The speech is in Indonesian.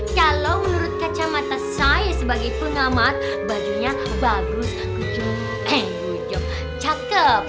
kalau menurut kacamata saya sebagai pengamat bajunya bagus gucung eh gucung cakep